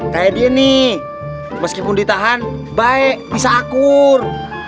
kayak dia nih meskipun ditahan baik bisa akur